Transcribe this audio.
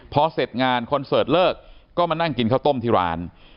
พอเสร็จงานคอนเสิร์ตเลิกก็มานั่งกินข้าวต้มที่ร้าน